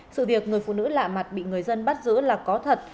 sự việc người phụ nữ lạ mặt bị người dân bắt giữ là có thật